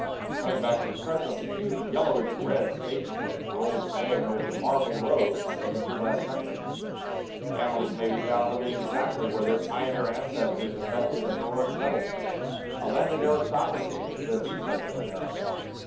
Coming back to the present, the huge yellowish red stage coach rolls to day over the marbled roads of the blue grass country. Families may be found living exactly where their pioneer ancestors effected a heroic settlement a landed aristocracy, if there be such in America.